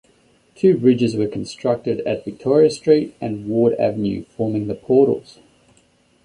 Two bridges were constructed at Victoria Street and Ward Avenue forming the portals.